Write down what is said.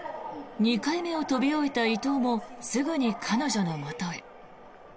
２回目を飛び終えた伊藤もすぐに彼女のもとへ。